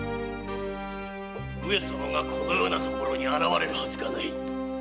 上様がこのような所に現れるはずがない。